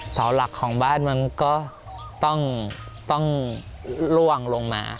เสาหลักของบ้านมันก็ต้องล่วงลงมา